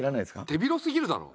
手広すぎるだろ。